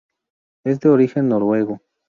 Es de origen noruego.